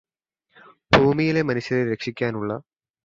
ഭൂമിയിലെ മനുഷ്യരെ രക്ഷിക്കാനുള്ള